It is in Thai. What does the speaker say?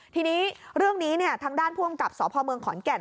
ทีนี้เรื่องนี้เนี่ยทางด้านพ่วงกับสอบภาวเมืองขอนแก่น